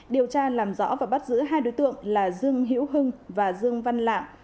điều tra làm rõ và bắt giữ hai đối tượng là dương hiễu hưng và dương văn lạng